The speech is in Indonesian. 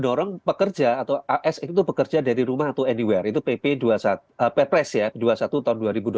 jadi menolong pekerja atau asn itu bekerja dari rumah atau anywhere itu ppres ya p dua puluh satu tahun dua ribu dua puluh tiga